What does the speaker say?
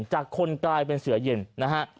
จากคนกลายเป็นเสือเย็นนะฮะ